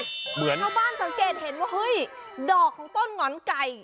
เหมือนชาวบ้านสังเกตเห็นว่าเฮ้ยดอกของต้นหงอนไก่